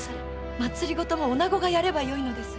政もおなごがやればよいのです。